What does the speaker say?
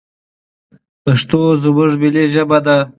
پښتو زموږ ملي ژبه ده.